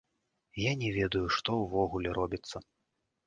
Я не ведаю, што ўвогуле робіцца.